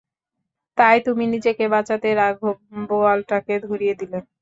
তাই তুমি নিজেকে বাঁচাতে রাঘব বোয়ালটাকে ধরিয়ে দিলে।